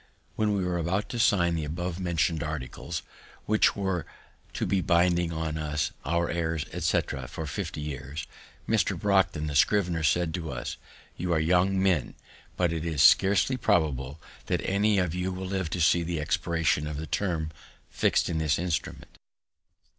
When we were about to sign the above mentioned articles, which were to be binding on us, our heirs, etc., for fifty years, Mr. Brockden, the scrivener, said to us, "You are young men, but it is scarcely probable that any of you will live to see the expiration of the term fix'd in the instrument."